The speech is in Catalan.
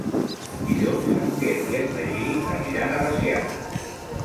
Dilluns en Quer i en Magí aniran a Veciana.